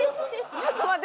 ちょっと待って。